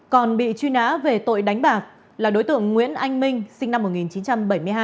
còn bị truy nã về tội đánh bạc là đối tượng nguyễn anh minh sinh năm một nghìn chín trăm bảy mươi hai